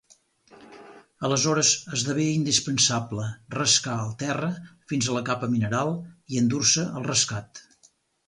Aleshores esdevé indispensable rascar el terra fins a la capa mineral i endur-se el rascat.